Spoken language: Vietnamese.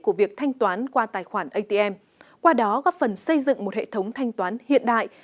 của việc thanh toán qua tài khoản atm qua đó góp phần xây dựng một hệ thống thanh toán hiện đại